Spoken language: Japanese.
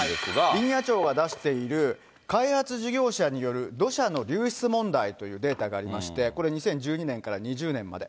林野庁が出している開発事業者による土砂の流出問題というデータがありまして、これ、２０１２年から２０年まで。